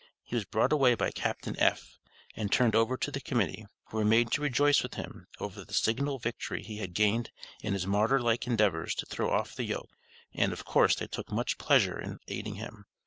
He was brought away by Captain F., and turned over to the Committee, who were made to rejoice with him over the signal victory he had gained in his martyr like endeavors to throw off the yoke, and of course they took much pleasure in aiding him.